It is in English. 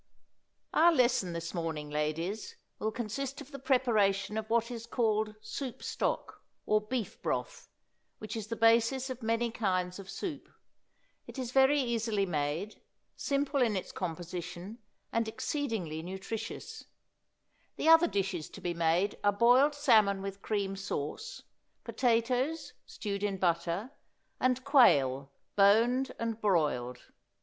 Our lesson this morning, ladies, will consist of the preparation of what is called soup stock, or beef broth, which is the basis of many kinds of soup; it is very easily made, simple in its composition, and exceedingly nutritious; the other dishes to be made are boiled salmon with cream sauce; potatoes, stewed in butter; and quail, boned and broiled.